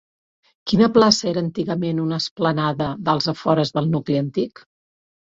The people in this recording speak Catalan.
Quina plaça era antigament una esplanada als afores del nucli antic?